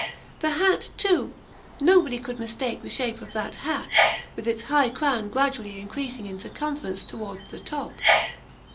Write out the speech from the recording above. The hat, too nobody could mistake the shape of that hat, with its high crown gradually increasing in circumference towards the top.